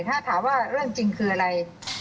ถ้าถามว่าเรื่องจริงคืออะไร